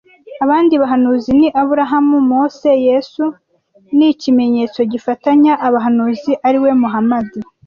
Abandi bahanuzi ni Aburahamu, Mose, Yesu, n’“Ikimenyetso gifatanya cy’Abahanuzi, ari we Muhamadi